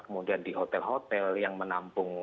kemudian di hotel hotel yang menampung